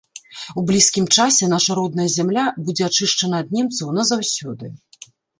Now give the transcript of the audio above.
У блізкім часе наша родная зямля будзе ачышчана ад немцаў назаўсёды.